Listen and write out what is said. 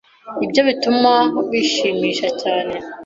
Nibyo bituma bishimisha cyane.